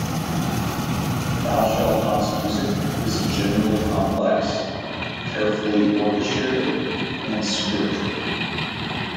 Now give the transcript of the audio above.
ThouShaltNot's music is generally complex, carefully orchestrated, and spiritual.